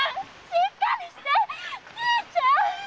しっかりして兄ちゃん！